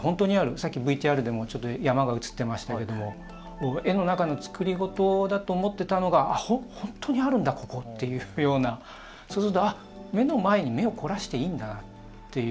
さっきＶＴＲでも山が映っていましたが絵の中のつくり事だと思っていたのが本当にあるんだここというようなそうすると、目の前に目を凝らしていいんだなという。